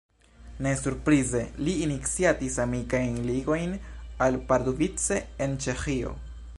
Ne surprize li iniciatis amikajn ligojn al Pardubice en Ĉeĥio.